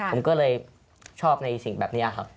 ผมก็เลยชอบในสิ่งแบบนี้ครับ